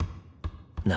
何？